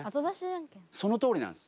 そのとおりなんです。